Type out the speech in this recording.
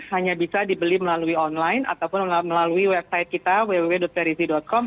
hanya bisa dibeli melalui online ataupun melalui website kita www perisi com